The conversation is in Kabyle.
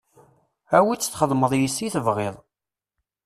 Awi-tt txedmeḍ yes-s i tebɣiḍ.